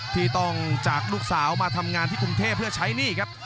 ที่ต้องจากลูกสาวมาทำงานที่กรุงเทพเพื่อใช้หนี้ครับ